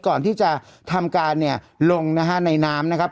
ก่อนที่จะทำการเนี่ยลงนะฮะในน้ำนะครับ